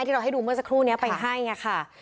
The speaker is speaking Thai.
ที่เราให้ดูเมื่อสักครู่นี้ไปให้ค่ะ